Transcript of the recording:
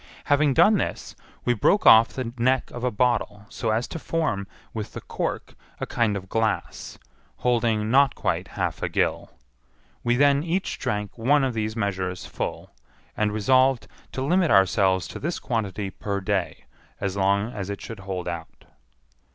Having done this, we broke off the neck of a bottle so as to form, with the cork, a kind of glass, holding not quite half a gill. We then each drank one of these measures full, and resolved to limit ourselves to this quantity per day as long as it should hold out.